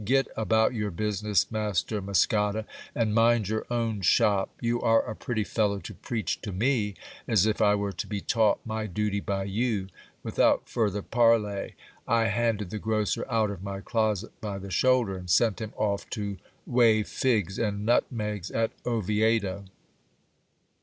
Get about your business, Master Muscada, and mind your own shop. You are a pretty fellow to preach to me ! As if I were to be taught my duty by you. Without further parley I handed the grocer out of my closet by the shoulder, and sent him off to weigh figs and nutmegs at Oviedo.